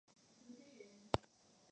乾隆十三年戊辰科进士。